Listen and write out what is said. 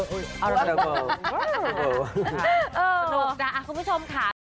สนุกนะคุณผู้ชมค่ะ